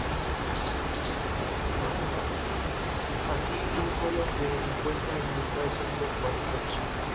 Así, un suelo se encuentra en estado sólido cuando está seco.